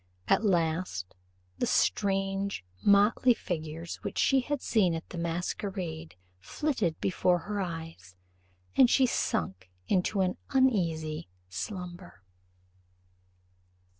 At last, the strange motley figures which she had seen at the masquerade flitted before her eyes, and she sunk into an uneasy slumber.